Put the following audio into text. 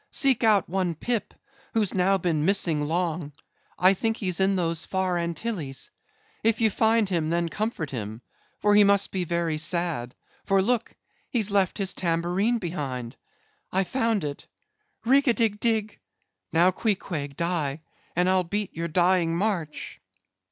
Seek out one Pip, who's now been missing long: I think he's in those far Antilles. If ye find him, then comfort him; for he must be very sad; for look! he's left his tambourine behind;—I found it. Rig a dig, dig, dig! Now, Queequeg, die; and I'll beat ye your dying march."